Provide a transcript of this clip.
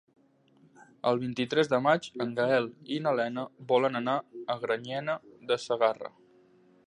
El vint-i-tres de maig en Gaël i na Lena volen anar a Granyena de Segarra.